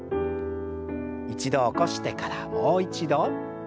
一度起こしてからもう一度。